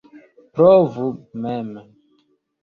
Provu mem!